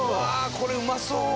これうまそう！